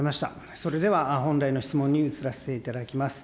それでは本来の質問に移らせていただきます。